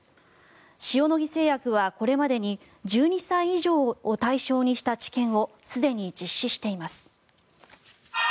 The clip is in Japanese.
塩野義製薬はこれまでに１２歳以上を対象にした治験をすでに実施しています。